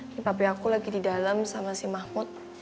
ini papi aku lagi di dalam sama si mahmud